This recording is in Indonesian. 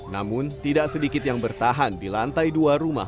namun tidak sedikit yang bertahan di lantai dua rumah